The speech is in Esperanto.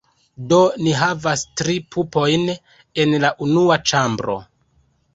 Do ni havas tri pupojn en la unua ĉambro.